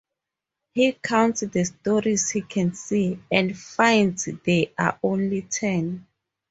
He counts the storeys he can see, and finds there are only ten.